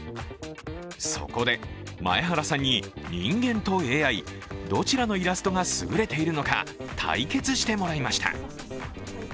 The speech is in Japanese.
そこで前原さんに人間とＡＩ、どちらのイラストが優れているのか対決してもらいました。